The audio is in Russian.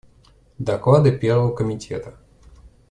Доклады Первого комитета.